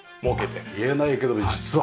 見えないけども実は。